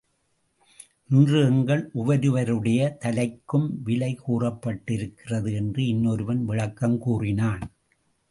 இன்று எங்கள் ஒவ்வொருவருடைய தலைக்கும் விலை கூறப்பட்டிருக்கிறது என்று இன்னொருவன் விளக்கங் கூறினான்.